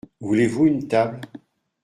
Voulez-vous une table ?